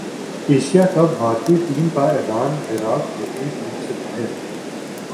Asia cup بھارتی team کا اعلان ویرات کوہلی ٹیم سے باہر